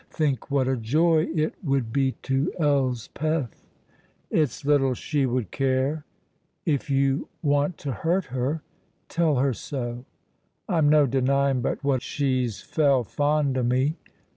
Think what a joy it would be to Elspeth." "It's little she would care." "If you want to hurt her, tell her so." "I'm no denying but what she's fell fond o' me."